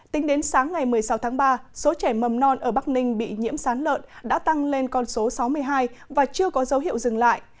tính đến sáng ngày một mươi sáu tháng ba số trẻ mầm non ở bắc ninh bị nhiễm sán lợn đã tăng lên con số sáu mươi hai và chưa có dấu hiệu dừng lại